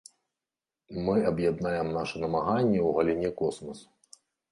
Мы аб'яднаем нашы намаганні ў галіне космасу.